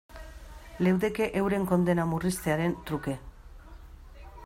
Leudeke euren kondena murriztearen truke.